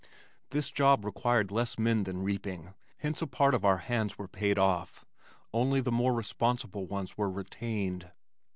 This job required less men than reaping, hence a part of our hands were paid off, only the more responsible ones were retained.